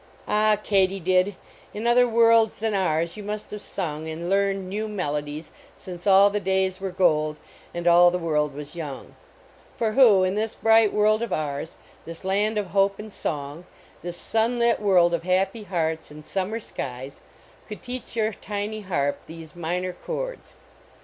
Ah, katydid, in other worlds than OUR you must have sung and learned new melodies since all the days wen gold and all the world Till: KATYDID IX OPERA was young. For who, in this bright world of ours, this land of hope and song, this sunlit world of happy hearts and summer skies, could teach your tiny harp these minor chords?